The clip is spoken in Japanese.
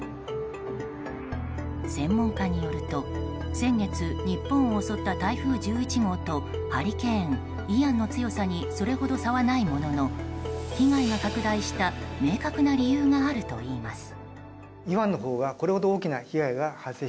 専門家によると先月、日本を襲った台風１１号とハリケーン、イアンの強さにそれほど差はないものの被害が拡大した明確な理由があるといいます。